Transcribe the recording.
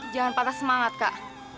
jangan patah semangat kak